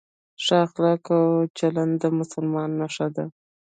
ښه اخلاق او چلند د مسلمان نښه ده.